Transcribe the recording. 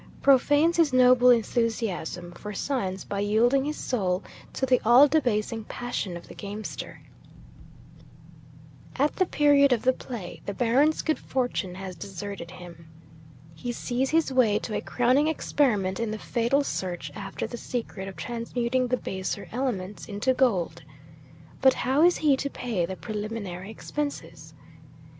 profanes his noble enthusiasm for science by yielding his soul to the all debasing passion of the gamester. 'At the period of the Play, the Baron's good fortune has deserted him. He sees his way to a crowning experiment in the fatal search after the secret of transmuting the baser elements into gold. But how is he to pay the preliminary expenses?